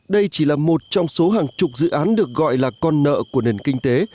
đây chỉ là một trong số hàng chục dự án được gọi là con nợ của nền kinh tế